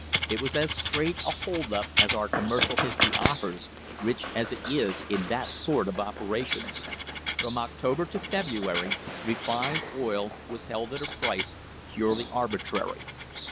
It was as straight a hold up as our commercial history offers, rich as it is in that sort of operations. From October to February refined oil was held at a price purely arbitrary.